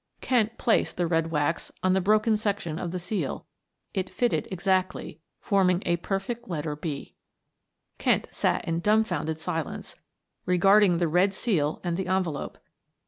Kent placed the red wax on the broken section of the seal it fitted exactly, forming a perfect letter "B." Kent sat in dumbfounded silence, regarding the red seal and the envelope.